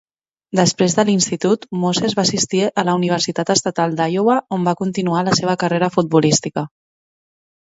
Després de l'institut, Moses va assistir a la Universitat Estatal d'Iowa on va continuar la seva carrera futbolística.